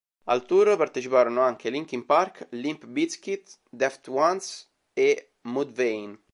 Al tour parteciparono anche Linkin Park, Limp Bizkit, Deftones e Mudvayne.